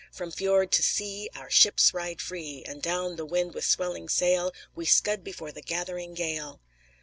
From fiord to sea, Our ships ride free, And down the wind with swelling sail We scud before the gathering gale."